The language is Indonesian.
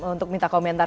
untuk minta komentar